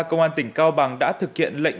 công an tỉnh cao bằng đã thực hiện lệnh